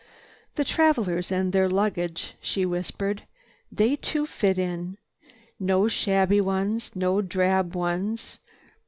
"The travelers and their luggage," she whispered, "they too fit in. No shabby ones. No drab ones.